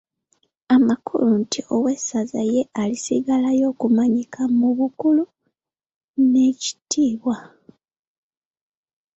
Amakulu nti owessaza ye alisigalayo okumanyika mu bukulu n'ekitiibwa.